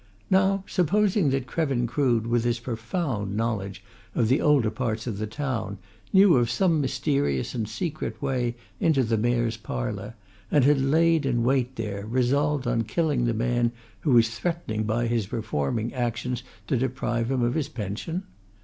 Now, supposing that Krevin Crood, with his profound knowledge of the older parts of the town, knew of some mysterious and secret way into the Mayor's Parlour, and had laid in wait there, resolved on killing the man who was threatening by his reforming actions to deprive him of his pension?